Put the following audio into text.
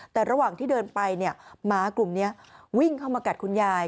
แต่ระหว่างที่เดินไปเนี่ยหมากลุ่มนี้วิ่งเข้ามากัดคุณยาย